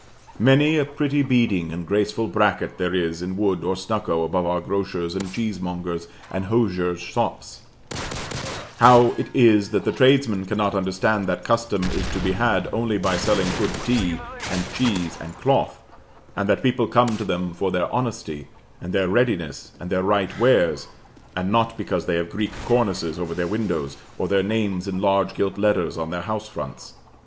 Many a pretty beading and graceful bracket there is in wood or stucco above our grocers' and cheese mongers' and hosiers' shops: how it is that the tradesmen cannot understand that custom is to be had only by selling good tea and cheese and cloth, and that people come to them for their honesty, and their readiness, and their right wares, and not because they have Greek cornices over their windows, or their names in large gilt letters on their house fronts?